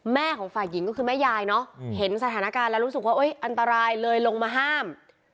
แม่ของฝ่ายหญิงก็คือแม่ยายเนอะเห็นสถานการณ์แล้วรู้สึกว่าอันตรายเลยลงมาห้าม